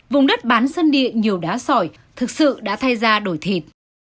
vùng đất bán sân địa nhiều đá sỏi thực sự đã thay ra đổi thịt